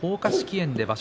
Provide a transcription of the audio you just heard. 炎で場所